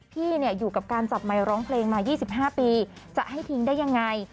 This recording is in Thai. พี่เนี่ยอยู่กับการจับไมร้องเพลงมายี่สิบห้าปีจะให้ทิ้งได้ยังไง